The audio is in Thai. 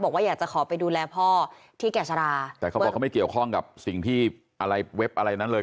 บอกว่าอยากจะขอไปดูแลพ่อที่แก่ชะลาแต่เขาบอกเขาไม่เกี่ยวข้องกับสิ่งที่อะไรเว็บอะไรนั้นเลย